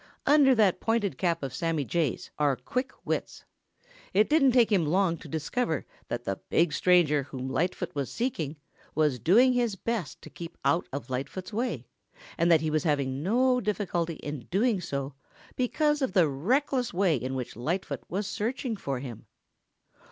Under that pointed cap of Sammy Jay's are quick wits. It didn't take him long to discover that the big stranger whom Lightfoot was seeking was doing his best to keep out of Lightfoot's way and that he was having no difficulty in doing so because of the reckless way in which Lightfoot was searching for him.